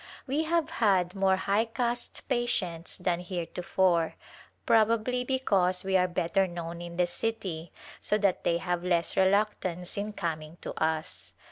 We have had more high caste patients than heretofore, probably because we are better known in the city, so that they have less reluctance in coming to us.